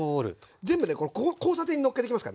全部ねこの交差点にのっけていきますからね。